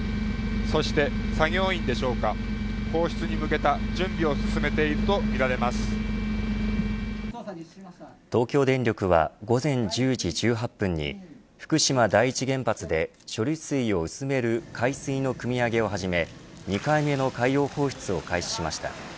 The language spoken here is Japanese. そして、作業員でしょうか放出に向けた東京電力は午前１０時１８分に福島第一原発で処理水を薄める海水のくみ上げを始め２回目の海洋放出を開始しました。